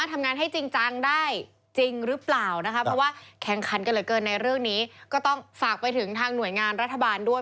ถ้าเกิดเกินในเรื่องนี้ก็ต้องฝากไปถึงทางหน่วยงานรัฐบาลด้วย